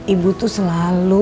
ibu tuh selalu